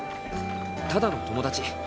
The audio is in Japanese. ただの友達。